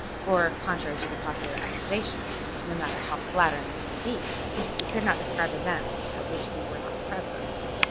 For, contrary to the popular accusation, no matter how flattering it may be, we could not describe events at which we were not present.